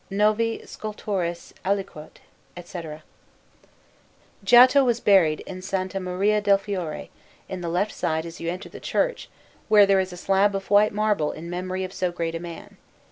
Novi scultores aliquot," etc. Giotto was buried in S. Maria del Fiore, on the left side as you enter the church, where there is a slab of white marble in memory of so great a man.